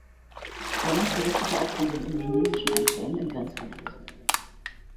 Gomes berichtete auch von den indonesischen Einfällen im Grenzgebiet.